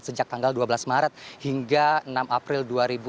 sejak tanggal dua belas maret hingga enam april dua ribu dua puluh